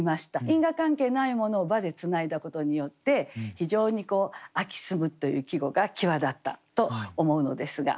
因果関係ないものを「ば」でつないだことによって非常に「秋澄む」という季語が際立ったと思うのですが。